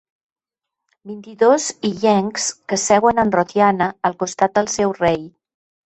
Vint-i-dos illencs que seuen en rotllana al costat del seu rei.